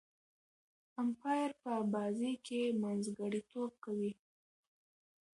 امپایر په بازي کښي منځګړیتوب کوي.